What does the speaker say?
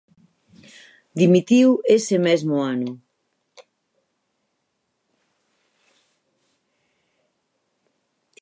Dimitiu ese mesmo ano.